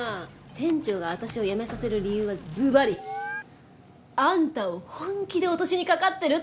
店長が私を辞めさせる理由はずばりあんたを本気で落としにかかってるって事よ。